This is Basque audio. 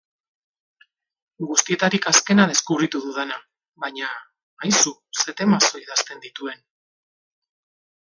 Guztietarik azkena deskubritu dudana, baina, aizu, ze temazo idazten dituen.